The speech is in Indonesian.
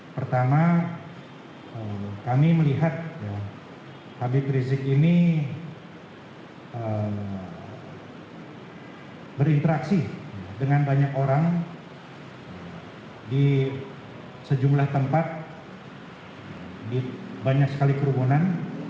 pertama kami melihat habib rizik ini berinteraksi dengan banyak orang di sejumlah tempat banyak sekali kerumunan